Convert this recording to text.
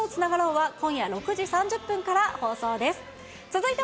は今夜６時３０分から放送です。